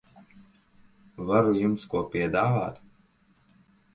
Varu jums ko piedāvāt?